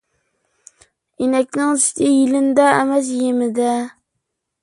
ئىنەكنىڭ سۈتى يېلىنىدە ئەمەس، يېمىدە.